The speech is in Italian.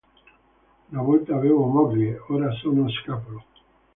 Una volta avevo moglie, ora sono scapolo.